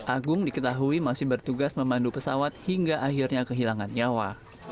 agung diketahui masih bertugas memandu pesawat hingga akhirnya kehilangan nyawa